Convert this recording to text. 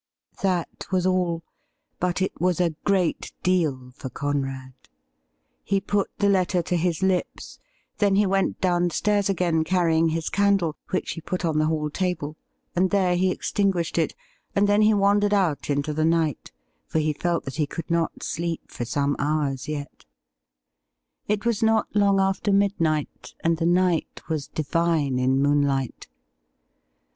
That was all ; but it was a great deal for Conrad. He put the letter to his lips ; then he went downstairs again, carrying his candle, which he put on the hall table, and there he extinguished it, and then he wandered out into the night, for he felt that he could not sleep for some horn's yet. It was not long after midnight, and the night was divine in moonlight.